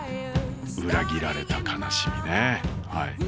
裏切られた悲しみねはい。